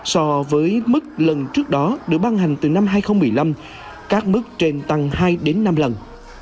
so với mức lần trước đó được ban hành từ năm hai nghìn một mươi năm các mức trên tăng hai đến năm lần